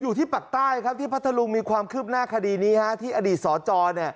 อยู่ที่ปากใต้ที่พัทธลุงมีความคืบหน้าคดีนี้ที่อดีตสจ